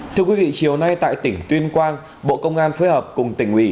thưa quý vị chiều nay tại tỉnh tuyên quang bộ công an phối hợp cùng tỉnh ủy